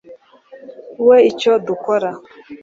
we icyo dukora